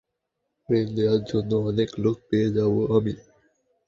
ঋণ দেওয়ার জন্য অনেক লোক পেয়ে যাবো আমি।